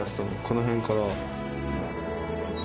この辺から。